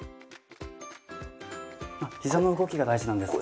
膝の動きが大事なんですか？